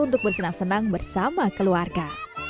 untuk bersenang senang bersama keluarga